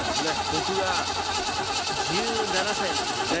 僕が１７歳の時ですね